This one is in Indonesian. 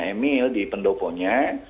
emil di pendoponya